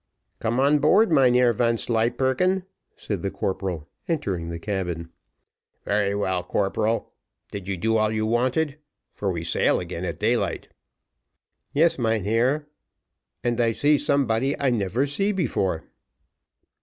"Come on board, Mynheer Vanslyperken," said the corporal, entering the cabin. "Very well, corporal; did you do all you wanted? for we sail again at daylight." "Yes, mynheer, and I see somebody I never see before."